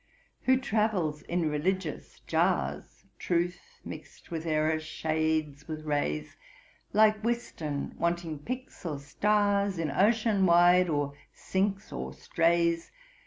Who travels in religious jars, (Truth mixt with errour, shades with rays;) Like Whiston, wanting pyx or stars, In ocean wide or sinks or strays.